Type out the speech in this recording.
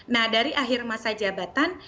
nah dari akhir masa jabatan